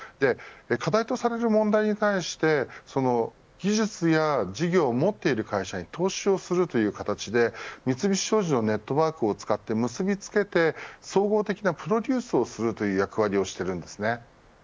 課題とされる問題に対して技術や事業を持っている会社へ投資をするという形で三菱商事のネットワークを使って結び付けて総合的なプロデュースをするという役割をしているんですね。